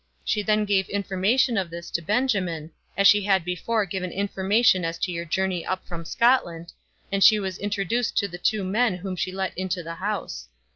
She then gave information of this to Benjamin, as she had before given information as to your journey up from Scotland, and she was introduced to the two men whom she let into the house.